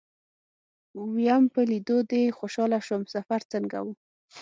ويم په ليدو دې خوشاله شوم سفر څنګه و.